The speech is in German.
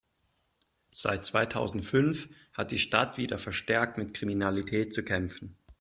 Seit zweitausendfünf hat die Stadt wieder verstärkt mit Kriminalität zu kämpfen.